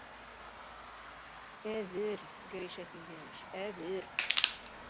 Әҙер, Гәрәй Шәйхетдинович, әҙер!..